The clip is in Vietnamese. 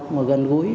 ngồi gần gũi